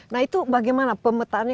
nah itu bagaimana pemetaannya